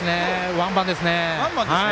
ワンバウンドですね。